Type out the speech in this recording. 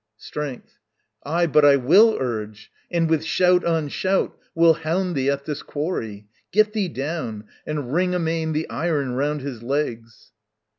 Strength. Ay, but I will urge! and, with shout on shout, Will hound thee at this quarry. Get thee down And ring amain the iron round his legs.